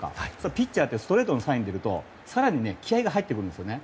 ピッチャーってストレートのサインが出ると更に気合が入ってくるんですよね。